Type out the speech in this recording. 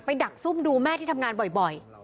ดักซุ่มดูแม่ที่ทำงานบ่อย